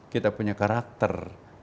kita punya karakter